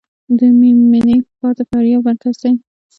د میمنې ښار د فاریاب مرکز دی